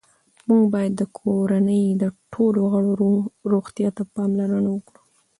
موږ باید د کورنۍ د ټولو غړو روغتیا ته پاملرنه وکړو